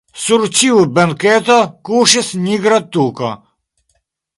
Sur ĉiu benketo kuŝis nigra tuko.